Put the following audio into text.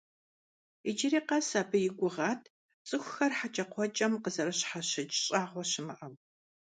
Иджыри къэс абы и гугъат цӀыхухэр хьэкӀэкхъуэкӀэм къазэрыщхьэщыкӀ щӀагъуэ щымыӀэу.